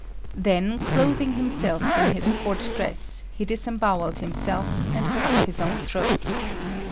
Then, clothing himself in his court dress, he disembowelled himself, and cut his own throat.